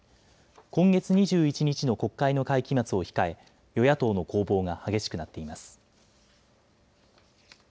今月２１日の国会の会期末を控え与野党の攻防が激しくなっています。